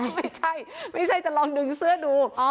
ไม่ใช่ไม่ใช่จะลองดึงเสื้อดู